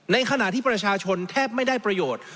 ในขณะที่ประชาชนแทบไม่ได้ประโยชน์